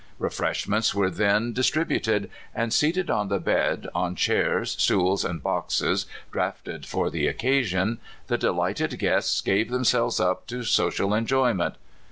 Refreshments were then distributed ; and seated on the bed, on chairs, stools, and boxes, drafted CALIFORNIA WEDDINGS. 305 for the occasion, the deUghted guests gave them selves up to social enjoyment.